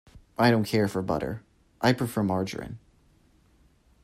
I don’t care for butter; I prefer margarine.